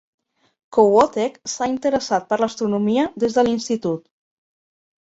Kohoutek s'ha interessat per l'astronomia des de l'institut.